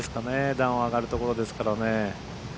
段を上がるところですからね。